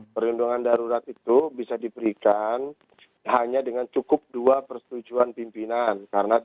perlindungan darurat itu bisa diberikan hanya dengan cukup dua persetujuan pimpinan